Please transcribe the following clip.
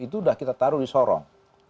itu sudah kita taruh di sorong